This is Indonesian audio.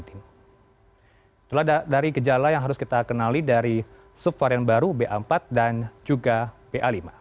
itulah dari gejala yang harus kita kenali dari subvarian baru ba empat dan juga ba lima